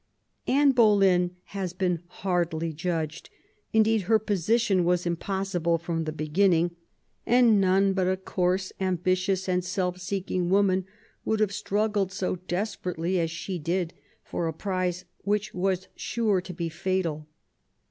Anne Boleyn has been hardly judged. Indeed her position was impossible from the beginning; and none but a coarse, ambitious and self seeking woman would have struggled so desperately as she did for a prize which was sure to be fatal.